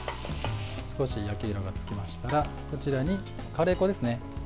少し焼き色がつきましたらこちらにカレー粉ですね。